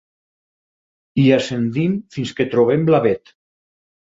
Hi ascendim fins que trobem l'avet.